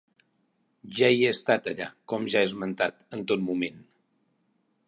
Jo hi he estat allà, com ja he esmentat, en tot moment.